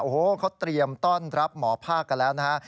โอ้โหเขาเตรียมต้อนรับหมอภาคกันแล้วนะฮะ